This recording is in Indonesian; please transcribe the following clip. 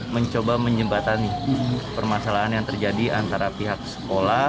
mencoba menjembatani permasalahan yang terjadi antara pihak sekolah